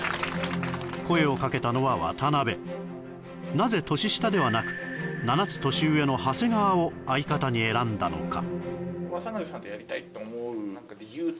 声をかけたのは渡辺なぜ年下ではなく７つ年上の長谷川を相方に選んだのか？